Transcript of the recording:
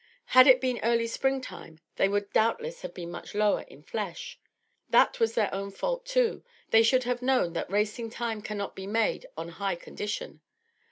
Had it been early spring time they would doubtless have been much lower in flesh. That was their own fault too; they should have known that racing time cannot be made on high condition.